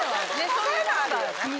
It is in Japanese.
そういうのはあるよね。